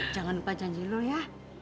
jangan lupa janji lo ya